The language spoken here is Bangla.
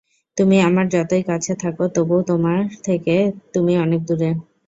তুমি আমার যতই কাছে থাক তবু আমার থেকে তুমি অনেক দূরে।